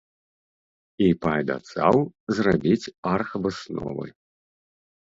І паабяцаў зрабіць аргвысновы.